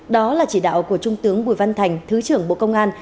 đó là chỉ đạo của trung tướng bùi văn thành thứ trưởng bộ công an